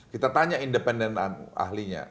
kita tanya independen ahlinya